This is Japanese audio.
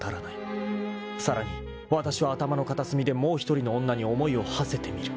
［さらにわたしは頭の片隅でもう一人の女に思いをはせてみる］